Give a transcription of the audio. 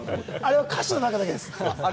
あれは歌詞の中だけです。